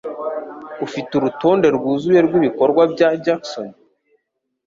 Ufite urutonde rwuzuye rwibikorwa bya Jackson?